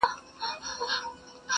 o د لمر رڼا هم کمزورې ښکاري په هغه ځای,